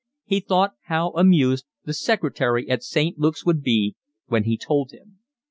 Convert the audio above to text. He thought how amused the secretary at St. Luke's would be when he told him.